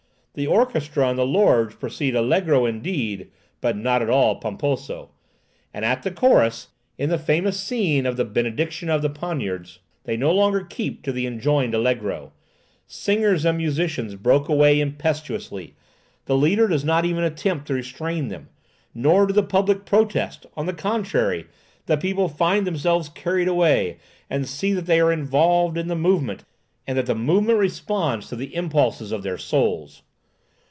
The orchestra and the lords proceed allegro indeed, but not at all pomposo, and at the chorus, in the famous scene of the "benediction of the poniards," they no longer keep to the enjoined allegro. Singers and musicians broke away impetuously. The leader does not even attempt to restrain them. Nor do the public protest; on the contrary, the people find themselves carried away, and see that they are involved in the movement, and that the movement responds to the impulses of their souls.